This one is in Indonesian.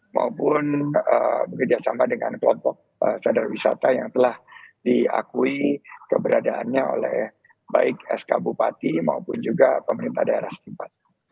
maupun bekerjasama dengan kelompok sadar wisata yang telah diakui keberadaannya oleh baik sk bupati maupun juga pemerintah daerah setempat